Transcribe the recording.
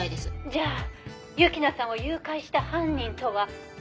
「じゃあ雪菜さんを誘拐した犯人とは無関係だった？」